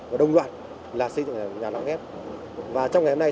và trong ngày hôm nay